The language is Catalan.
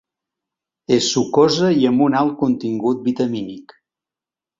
És sucosa i amb un alt contingut vitamínic.